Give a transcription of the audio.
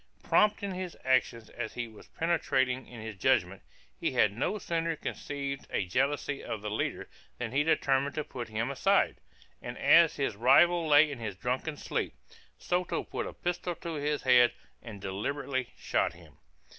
Prompt in his actions as he was penetrating in his judgment, he had no sooner conceived a jealousy of the leader than he determined to put him aside; and as his rival lay in his drunken sleep, Soto put a pistol to his head, and deliberately shot him.